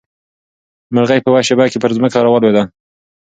مرغۍ په یوه شېبه کې پر ځمکه راولوېده.